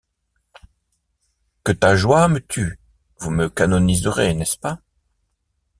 Que ta ioye me tue, vous me canoniserez, est-ce pas ?…